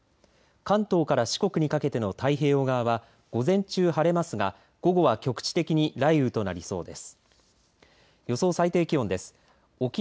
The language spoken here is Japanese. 関東から四国にかけての太平洋側は午前中、晴れますが午後は局地的に雷雨となりそうです。